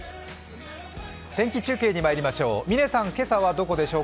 天気中継にまいりましょう。